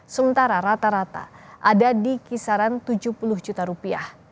sementara rata rata ada di kisaran tujuh puluh juta rupiah